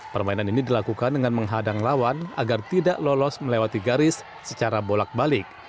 permainan ini dilakukan dengan menghadang lawan agar tidak lolos melewati garis secara bolak balik